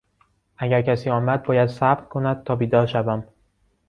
اگر کسی آمد باید صبر کند تا بیدار شوم.